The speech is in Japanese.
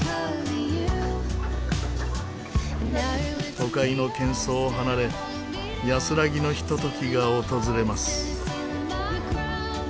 都会の喧噪を離れ安らぎのひとときが訪れます。